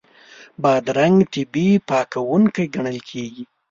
بادرنګ طبیعي پاکوونکی ګڼل کېږي.